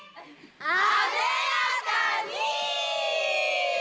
艶やかに！